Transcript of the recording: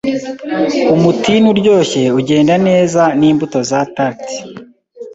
Umutini uryoshye ugenda neza n'imbuto za tart